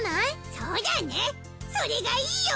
そうだねそれがいいよ！